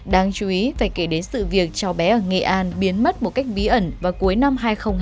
đáng chú ý phải kể đến sự việc cháu bé ở nghệ an biến mất một cách bí ẩn vào cuối năm hai nghìn hai mươi